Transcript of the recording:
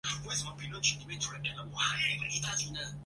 所属经纪公司为杰尼斯事务所。